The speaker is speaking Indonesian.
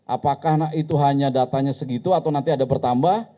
apakah itu hanya datanya segitu atau nanti ada bertambah